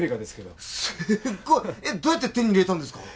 どうやって手に入れたんですか？